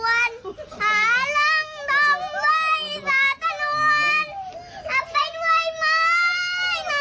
เผ็ดชายนิราภาโลกอามารมัยรา